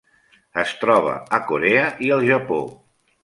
Es troba a Corea i el Japó.